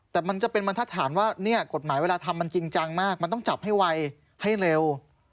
แต่มันจะเป็นบรรทัศนว่าเนี่ยกฎหมายเวลาทำมันจริงจังมากมันต้องจับให้ไวให้เร็ว